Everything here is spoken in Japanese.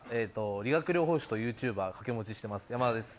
理学療法士とユーチューバーを掛け持ちしてます山田です。